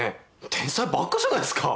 天才ばっかじゃないっすか。